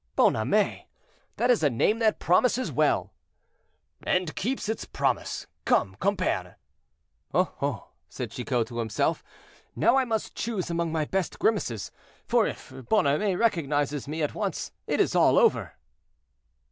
"Bonhomet! that is a name that promises well." "And keeps its promise. Come, compère." "Oh! oh!" said Chicot to himself; "now I must choose among my best grimaces; for if Bonhomet recognizes me at once, it is all over."